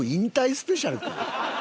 スペシャルか？